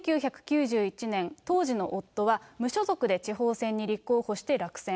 １９９１年、当時元夫は、無所属で地方選に立候補して落選。